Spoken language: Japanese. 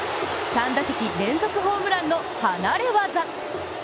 ３打席連続ホームランの離れ業！